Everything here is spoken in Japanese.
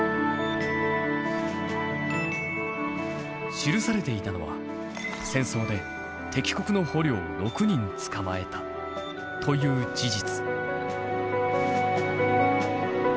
記されていたのは戦争で敵国の捕虜を６人つかまえたという事実。